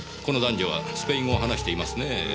この男女はスペイン語を話していますねえ。